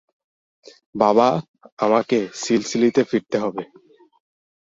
বাবা, আমাকে সিসিলিতে ফিরতে হবে।